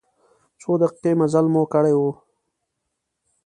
څو دقیقې مزل مو کړی و.